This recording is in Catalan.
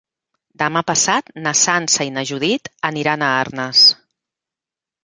Demà passat na Sança i na Judit aniran a Arnes.